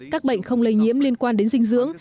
các bệnh không lây nhiễm liên quan đến dinh dưỡng